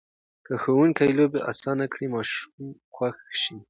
که ښوونکي لوبې اسانه کړي، ماشوم خوښ شي.